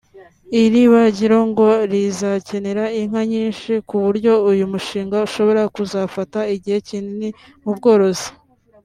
Iri bagiro ngo rizakenera inka nyinshi ku buryo uyu mushinga ushobora kuzafata igihe kinini mu bworozi